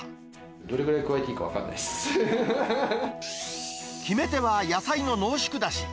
どれぐらい加えていいか分か決め手は野菜の濃縮だし。